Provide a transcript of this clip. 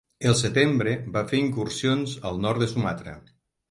El setembre va fer incursions al nord de Sumatra.